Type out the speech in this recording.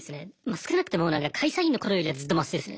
少なくとも会社員の頃よりはずっとマシですね。